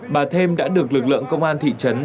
bà thêm đã được lực lượng công an thị trấn